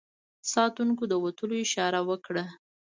ساتونکو د وتلو اشاره وکړه.